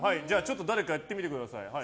誰かやってみてください。